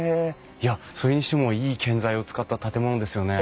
いやそれにしてもいい建材を使った建物ですよね。